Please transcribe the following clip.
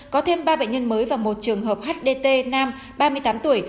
có thêm ba bệnh nhân mới và một trường hợp hdt nam ba mươi tám tuổi